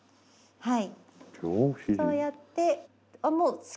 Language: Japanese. はい。